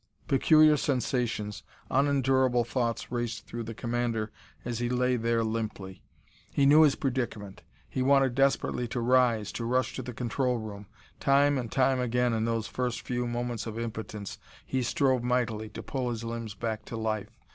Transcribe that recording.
Peculiar sensations, unendurable thoughts raced through the commander as he lay there limply. He knew his predicament. He wanted desperately to rise, to rush to the control room. Time and time again in those first few moments of impotence he strove mightily to pull his limbs back to life.